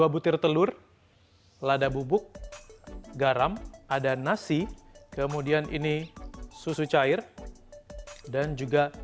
dua butir telur lada bubuk garam ada nasi kemudian ini susu cair dan juga